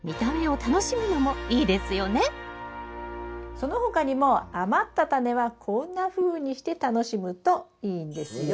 その他にも余ったタネはこんなふうにして楽しむといいんですよ。